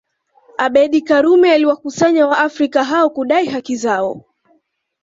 Abeid Karume aliwakusanya waafrika hao kudai haki zao